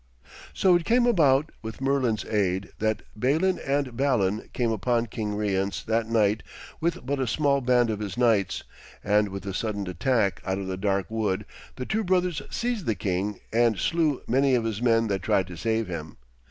So it came about, with Merlin's aid, that Balin and Balan came upon King Rience that night with but a small band of his knights, and with a sudden attack out of the dark wood the two brothers seized the king and slew many of his men that tried to save him.